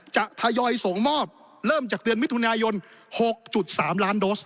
ทยอยส่งมอบเริ่มจากเดือนมิถุนายน๖๓ล้านโดส